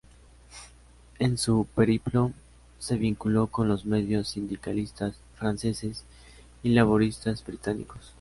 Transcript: En su periplo, se vinculó con los medios sindicalistas franceses y laboristas británicos.